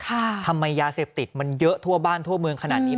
ทำไมยาเสพติดมันเยอะทั่วบ้านทั่วเมืองขนาดนี้